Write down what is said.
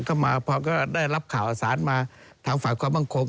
เข้ามาพอได้รับข่าวอาศาลมาทางฝ่าความบังคง